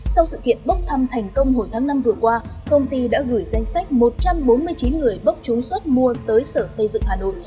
sau sự kiện bốc thăm thành công hồi tháng năm vừa qua công ty đã gửi danh sách một trăm bốn mươi chín người bốc chúng suất mua tới sở xây dựng hà nội